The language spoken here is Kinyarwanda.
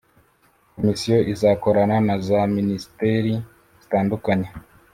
komisiyo izakorana na za minisiteri zitandukanye